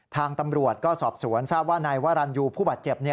ทางตำรวจก็สอบสวนทราบว่านายวรรณยูผู้บาดเจ็บ